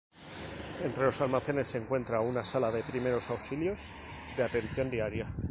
Entre los almacenes, se encuentra una sala de primeros auxilios, de atención diaria.